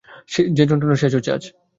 যে যন্ত্রণা শেষ হচ্ছে আজ।